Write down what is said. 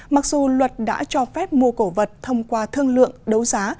mặc dù luật đã cho phép mua cổ vật thông qua thương lượng đấu giá